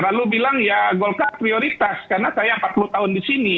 lalu bilang ya golkar prioritas karena saya empat puluh tahun di sini